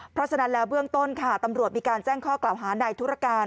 เพราะฉะนั้นแล้วเบื้องต้นค่ะตำรวจมีการแจ้งข้อกล่าวหาในธุรการ